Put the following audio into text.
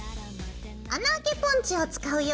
穴あけポンチを使うよ。